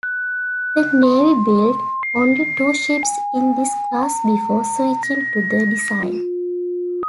The Navy built only two ships in this class before switching to the design.